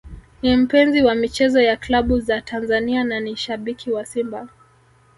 Ni mpenzi wa michezo ya klabu za Tanzania na ni shabiki wa Simba